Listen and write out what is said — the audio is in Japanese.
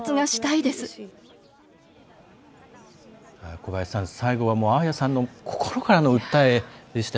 小林さん、最後はアーヤさんの心からの訴えでした。